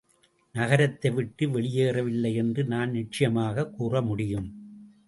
நகரத்தைவிட்டு வெளியேறவில்லை என்று நான் நிச்சயமாக கூறமுடியும்.